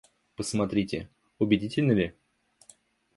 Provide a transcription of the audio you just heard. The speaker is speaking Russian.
Посмотрите, убедительно ли?